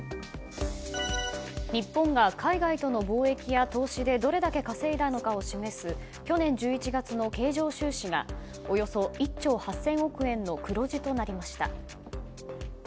日本が海外との貿易や投資でどれだけ稼いだかを示す去年１１月の経常収支がおよそ１兆８０００億円の黒字となりました。